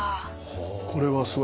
これはすごい。